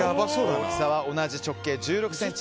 大きさは同じ直径１６ｃｍ。